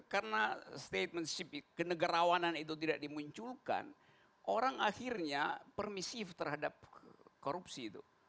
karena statement kenegarawanan itu tidak dimunculkan orang akhirnya permisif terhadap korupsi itu